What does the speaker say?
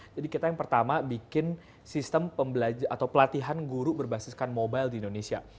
jadi kita yang pertama bikin sistem pembelajar atau pelatihan guru berbasiskan mobile di indonesia